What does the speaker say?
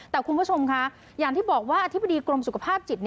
แต่คุณผู้ชมค่ะอย่างที่บอกว่าอธิบดีกรมสุขภาพจิต